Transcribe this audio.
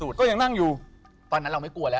ตอนนั้นเราไม่กลัวแล้ว